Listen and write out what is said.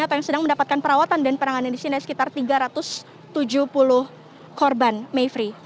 atau yang sedang mendapatkan perawatan dan penanganan di sini ada sekitar tiga ratus tujuh puluh korban mayfrey